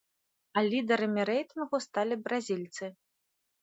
А лідарамі рэйтынгу сталі бразільцы.